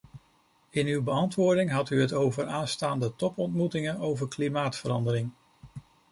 In uw beantwoording had u het over aanstaande topontmoetingen over klimaatverandering.